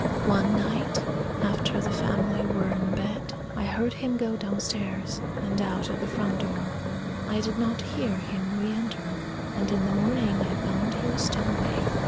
One night, after the family were in bed, I heard him go down stairs and out at the front door; I did not hear him re enter, and in the morning I found he was still away.